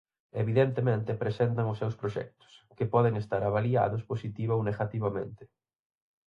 Evidentemente, presentan os seus proxectos, que poden estar avaliados positiva ou negativamente.